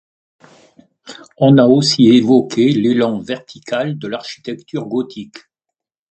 On a aussi évoqué l'élan vertical de l'architecture gothique.